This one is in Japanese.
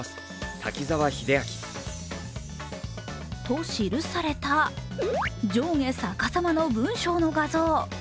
と記された上下逆さまの文章の画像。